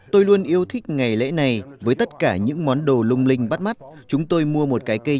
tôi luôn yêu thích ngày lễ này với tất cả những món đồ lung linh bắt mắt chúng tôi mua một trái cây